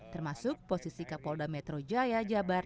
termasuk posisi kapolda metro jaya jabar